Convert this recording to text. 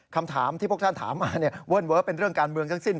คำถามที่พวกท่านถามมาเว่นเว้อเป็นเรื่องการเมืองทั้งสิ้น